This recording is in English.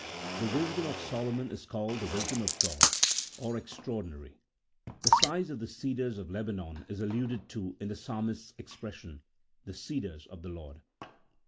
The wisdom of Solomon is called the wisdom of God, or extraordinary. The size of the cedars of Lebanon is alluded to in the Psalmist's expression, " the cedars of the Lord."